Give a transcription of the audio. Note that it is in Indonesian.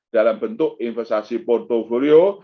dalam bentuk investasi portfolio